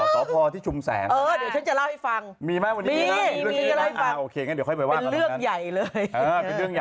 ก็พอที่ชุมแสง